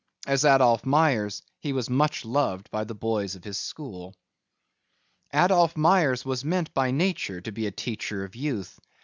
As Adolph Myers he was much loved by the boys of his school. Adolph Myers was meant by nature to be a teacher of youth.